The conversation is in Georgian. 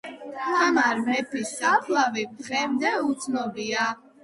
თამარ მეფის საფლავი დღემდე უცნობია